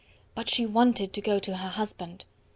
But she wanted to go to her husband.